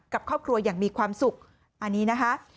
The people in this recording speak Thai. กับครอบครัวอย่างมีความสุขอันนี้นะคะ